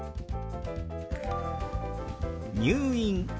「入院」。